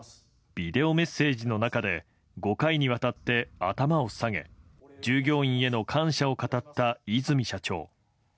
ビデオメッセージの中で、５回にわたって頭を下げ、従業員への感謝を語った和泉社長。